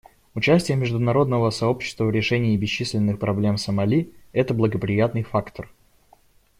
Участие международного сообщества в решении бесчисленных проблем Сомали — это благоприятный фактор.